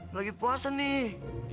lagi puasa nih